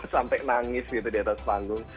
sampai nangis gitu di atas panggung